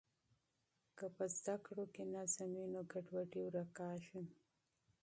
که په تعلیم کې نظم وي نو ګډوډي ورکیږي.